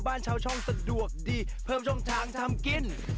บ้างลองมาเล่นเหรอบ้างเต้นเหรอ